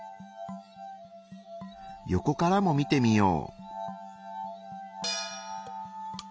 横からも見てみよう。